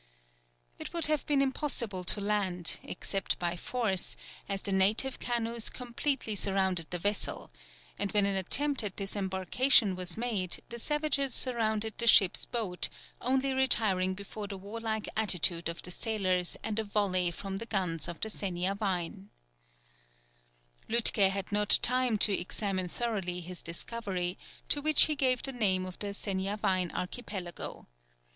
It would have been impossible to land, except by force, as the native canoes completely surrounded the vessel, and when an attempt at disembarkation was made, the savages surrounded the ship's boat, only retiring before the warlike attitude of the sailors and a volley from the guns of the Seniavine. Lütke had not time to examine thoroughly his discovery, to which he gave the name of the Seniavine Archipelago.